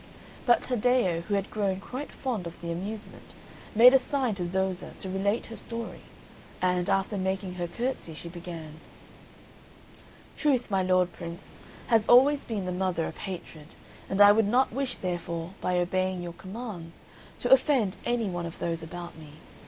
But Taddeo, who had grown quite fond of the amusement, made a sign to Zoza to relate her story; and, after making her curtsey, she began "Truth, my Lord Prince, has always been the mother of hatred, and I would not wish, therefore, by obeying your commands, to offend any one of those about me.